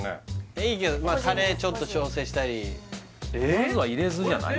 いいけどタレちょっと調整したりまずは入れずじゃない？